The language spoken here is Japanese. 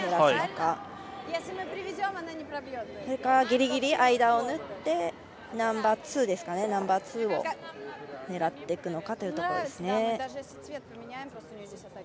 それかギリギリ間を縫ってナンバーツーを狙っていくのかというところですね。